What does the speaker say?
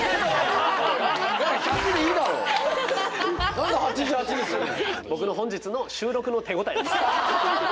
何で８８にすんの。